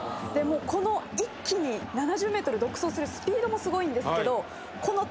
この一気に７０ｍ独走するスピードもすごいんですけど。